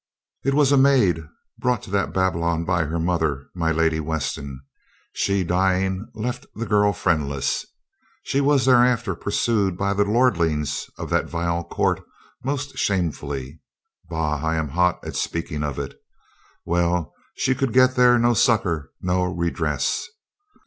It was a maid brought to that Babylon by her mother, my Lady Weston. She dying, left the girl friendless. She was thereafter pursued by the lordlings of that vile court most shamefully — bah, I am hot at speaking of it. Well. She could get there no succor nor redress.